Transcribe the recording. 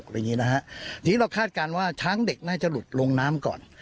ทีนี้เราคาดการณ์ว่าช้างเด็กน่าจะหลุดลงน้ำก่อน